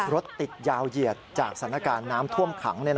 รถติดยาวเหยียดจากสถานการณ์น้ำท่วมขัง